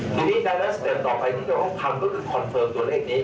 ทีนี้ได้แล้วสเต็มต่อไปต้องการความรู้คือคอนเฟิร์มตัวเลขนี้